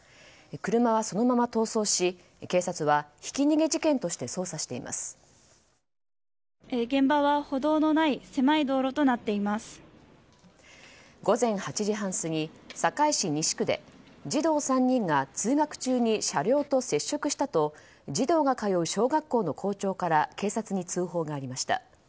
車は、そのまま逃走し警察は、ひき逃げ事件として現場は歩道のない狭い道路と午前８時半過ぎ、堺市西区で児童３人が通学中に車両と接触したと児童が通う小学校の校長から警察に通報がありました。